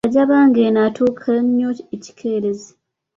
Kajabaga eno atuuka nnyo ekikeerezi.